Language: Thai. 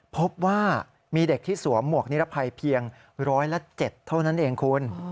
พบว่ามีเด็กที่สวมหมวกนิรภัยเพียงร้อยละ๗เท่านั้นเองคุณ